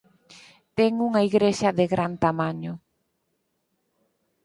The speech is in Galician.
Ten unha igrexa de gran tamaño.